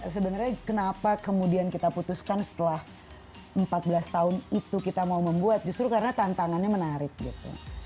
sebenarnya kenapa kemudian kita putuskan setelah empat belas tahun itu kita mau membuat justru karena tantangannya menarik gitu